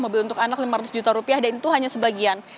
mobil untuk anak lima ratus juta rupiah dan itu hanya sebagian